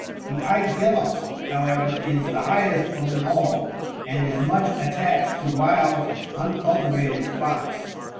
The tegilops,57 however, is the highest of them all, and is much attached to wild, unculti vated spots.